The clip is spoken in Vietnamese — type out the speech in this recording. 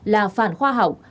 là phản khoa học